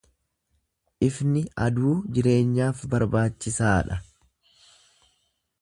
Ifni aduu jireenyaaf barbaachisaa dha.